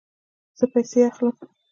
زه پیسې اخلم